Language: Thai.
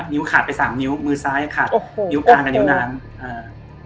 ขาดไปสามนิ้วมือซ้ายขาดโอ้โหนิ้วกลางกับนิ้วน้ำอ่า